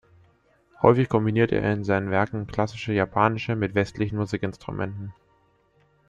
Häufig kombiniert er in seinen Werken klassische japanische mit westlichen Musikinstrumenten.